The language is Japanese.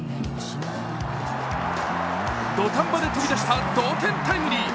土壇場で飛び出した同点タイムリー。